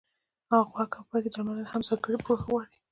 د غوږ او پزې درملنه هم ځانګړې پوهه غواړي.